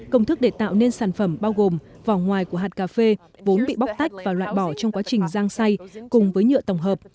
công thức để tạo nên sản phẩm bao gồm vỏ ngoài của hạt cà phê vốn bị bóc tách và loại bỏ trong quá trình rang xay cùng với nhựa tổng hợp